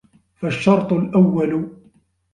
فَالشَّرْطُ الْأَوَّلُ